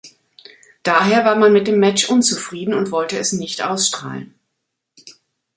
Daher war man mit dem Match unzufrieden und wollte es nicht ausstrahlen.